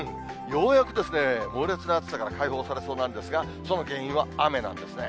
ようやくですね、猛烈な暑さから解放されそうなんですが、その原因は雨なんですね。